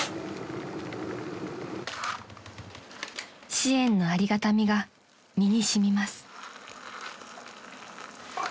［支援のありがたみが身に染みます］